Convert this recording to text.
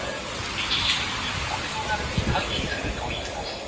一時的にポルトガルに退避するといいます。